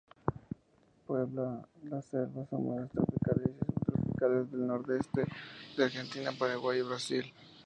Puebla las selvas húmedas tropicales y subtropicales del nordeste de Argentina, Paraguay y Brasil.